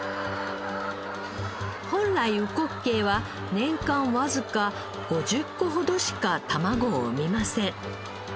本来うこっけいは年間わずか５０個ほどしか卵を産みません。